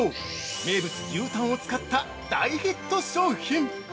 名物・牛タンを使った大ヒット商品！